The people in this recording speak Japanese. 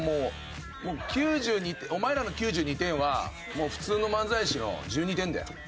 ９２お前らの９２点は普通の漫才師の１２点だよ。